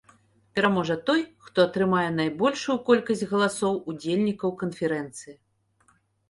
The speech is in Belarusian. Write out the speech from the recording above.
Пераможа той, хто атрымае найбольшую колькасць галасоў удзельнікаў канферэнцыі.